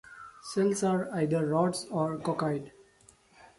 Cells are either rods or coccoid.